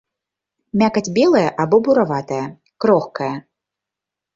Мякаць белая або бураватая, крохкая.